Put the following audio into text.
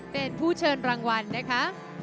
เป็นผู้เชิญรางวัลนะคะ